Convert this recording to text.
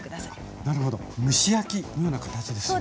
なるほど蒸し焼きのような形ですね。